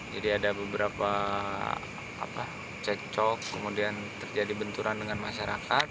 jadi ada beberapa cek cok kemudian terjadi benturan dengan masyarakat